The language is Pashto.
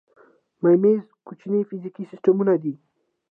میمز کوچني فزیکي سیسټمونه دي.